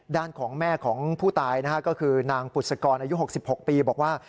ด้านของแม่ของผู้ตายนะฮะก็คือนางปุศกรอายุ๖๖ปีบอกว่า